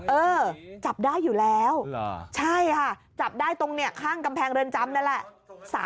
เออจับได้อยู่แล้วใช่ค่ะจับได้ตรงข้างกำแพงเรือนจำนั่นแหละ